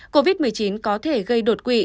covid một mươi chín có thể gây đột quỵ